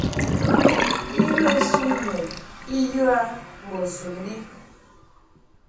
I ghə nsuŋ nu I yə a mbo sun bi.